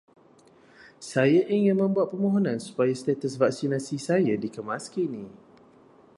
Saya ingin membuat permohonan supaya status vaksinasi saya dikemaskini.